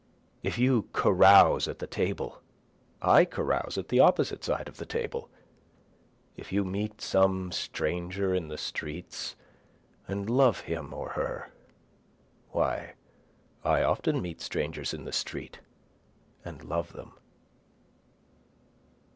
If you carouse at the table I carouse at the opposite side of the table, If you meet some stranger in the streets and love him or her, why I often meet strangers in the street and love them.